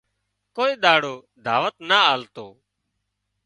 ڪوئي ۮاڙو دعوت نا آلتو